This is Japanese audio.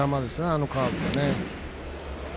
あのカーブが。